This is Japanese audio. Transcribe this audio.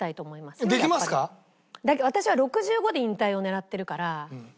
私は６５で引退を狙ってるから。